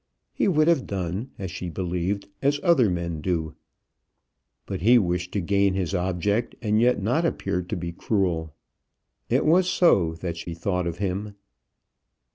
He would have done, as she believed, as other men do. But he wished to gain his object, and yet not appear to be cruel. It was so that she thought of him.